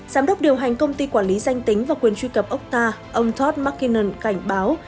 giám đốc điều hành công ty quản lý danh tính và quyền truy cập okta ông tod mckinnon cảnh báo